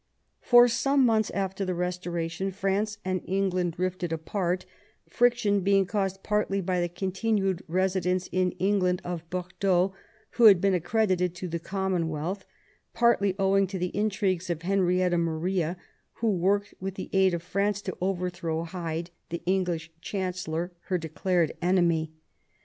For some months after the Eestoration France and England drifted apart, friction being caused partly by the continued residence in England of Bordeaux, who had been accredited to the Commonwealth, partly owing to the intrigues of Henrietta Maria, who worked with the aid of France to overthrow Hyde, the English Chancellor, her declared enemy.